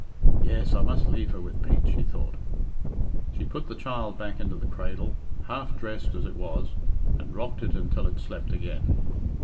"Yes, I must leave her with Pete," she thought. She put the child back into the cradle, half dressed as it was, and rocked it until it slept again.